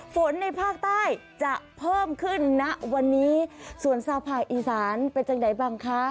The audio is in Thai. ฝนในภาคใต้จะเพิ่มขึ้นณวันนี้ส่วนสาวภาคอีสานเป็นจากไหนบ้างคะ